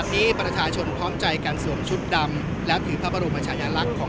สิบพลัง